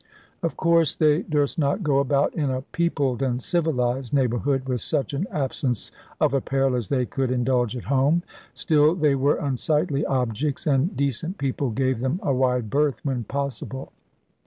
Of course they durst not go about in a peopled and civilised neighbourhood, with such an absence of apparel as they could indulge at home. Still they were unsightly objects; and decent people gave them a wide berth, when possible.